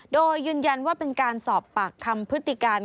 โดยยืนยันว่าเป็นการสอบปากคำพฤติการ